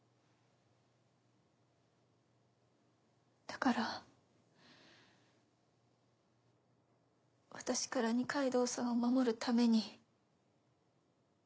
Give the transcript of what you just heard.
だから私から二階堂さんを守るために。